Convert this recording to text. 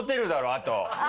あと。